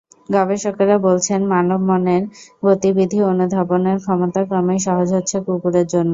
গবেষকেরা বলছেন, মানবমনের গতিবিধি অনুধাবনের ক্ষমতা ক্রমেই সহজ হচ্ছে কুকুরের জন্য।